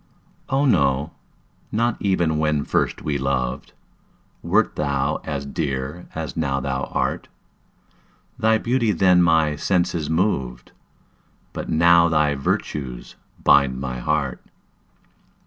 Oh, no not even when first we loved, Wert thou as dear as now thou art; Thy beauty then my senses moved, But now thy virtues bind my heart.